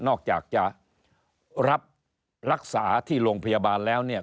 นอกจากจะรับรักษาที่โรงพยาบาลแล้วเนี่ย